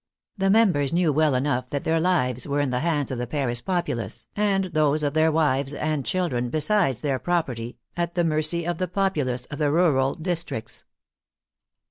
The members knew v/ell enough that their lives were in the hands of the Paris populace, and those of their wives and children, besides their property, at the mercy of the populace of the rural districts.